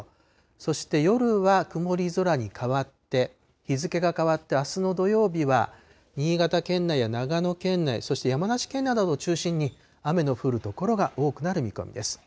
そして夜は曇り空に変わって、日付が変わってあすの土曜日は、新潟県内や長野県内、そして山梨県内などを中心に雨の降る所が多くなる見込みです。